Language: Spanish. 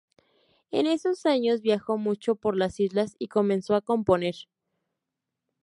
En esos años viajó mucho por las Islas y comenzó a componer.